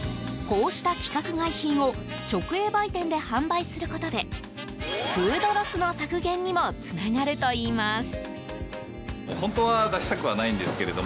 こうした規格外品を直営売店で販売することでフードロスの削減にもつながるといいます。